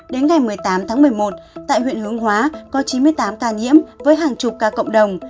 đến ngày một mươi tám tháng một mươi một tại huyện hướng hóa có chín mươi tám ca nhiễm với hàng chục ca cộng đồng